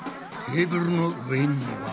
テーブルの上には。